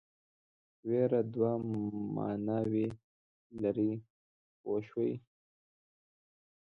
وېره دوه معناوې لري پوه شوې!.